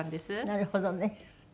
なるほどね。